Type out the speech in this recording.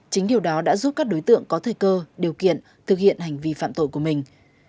chính điều đó đã giúp các đối tượng có thời cơ điều kiện thực hiện hành vi phạm tội của mình